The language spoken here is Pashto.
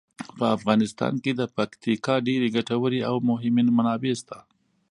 په افغانستان کې د پکتیکا ډیرې ګټورې او مهمې منابع شته.